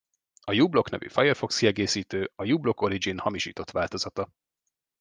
A uBlock nevű Firefox kiegészítő a uBlock Origin hamisított változata.